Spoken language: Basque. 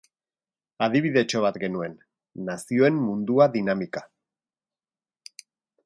Adibidetxo bat genuen, Nazioen Mundua dinamika.